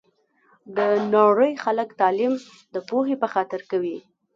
د نړۍ خلګ تعلیم د پوهي په خاطر کوي